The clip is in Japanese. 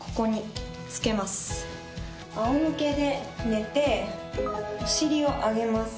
あお向けで寝てお尻を上げます。